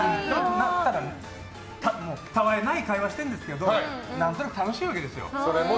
たわいない会話をしてるんですけど何となく楽しいわけですよ。